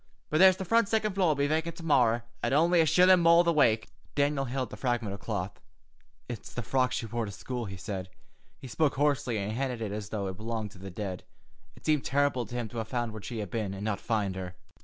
But there's the frunt siccond floor'll be vacant to morry, at only a shillun more the wake." Daniel held up the fragment of cloth. "It's the frock she wore to school," he said. He spoke hoarsely and handled it as though it belonged to the dead. It seemed terrible to him to have found where she had been, and not find her.